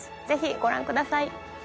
ぜひご覧ください。